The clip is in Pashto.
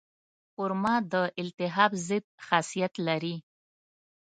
خرما د التهاب ضد خاصیت لري.